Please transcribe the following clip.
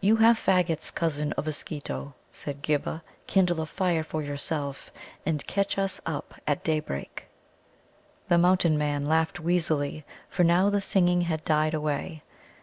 "You have faggots, Cousin of a Skeeto," said Ghibba. "Kindle a fire for yourself, and catch us up at daybreak." The Mountain men laughed wheezily, for now the singing had died away.